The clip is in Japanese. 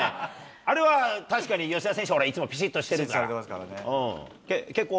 あれは確かに吉田選手は、いつもぴしっとしてるから。